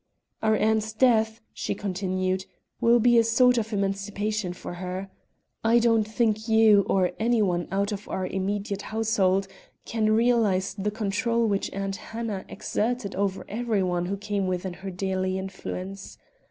"Our aunt's death," she continued, "will be a sort of emancipation for her. I don't think you, or any one out of our immediate household, can realize the control which Aunt Hannah exerted over every one who came within her daily influence.